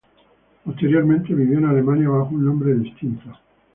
Posteriormente vivió en Alemania bajo un nombre distinto.